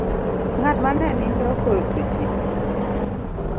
Ng'at mane nindo koro osechiewo.